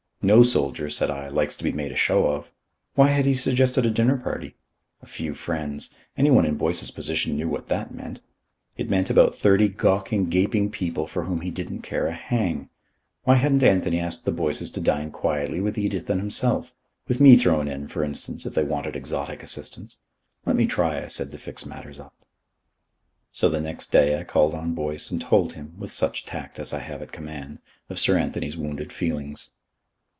No soldier, said I, likes to be made a show of. Why had he suggested a dinner party? A few friends. Anyone in Boyce's position knew what that meant. It meant about thirty gawking, gaping people for whom he didn't care a hang. Why hadn't Anthony asked the Boyces to dine quietly with Edith and himself with me thrown in, for instance, if they wanted exotic assistance? Let me try, I said, to fix matters up. So the next day I called on Boyce and told him, with such tact as I have at command, of Sir Anthony's wounded feelings.